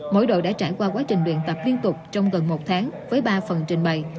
mỗi đội đã trải qua quá trình luyện tập liên tục trong gần một tháng với ba phần trình bày